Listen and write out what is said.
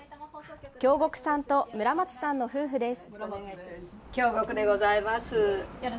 京極さんと村松さんの夫婦です。